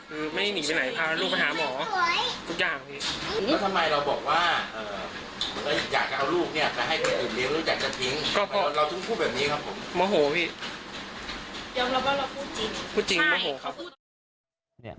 พูดจริงมโมโหครับ